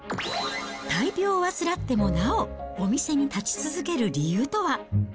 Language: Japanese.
大病を患ってもなお、お店に立ち続ける理由とは。